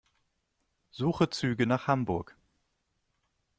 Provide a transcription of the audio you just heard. Suche Züge nach Hamburg.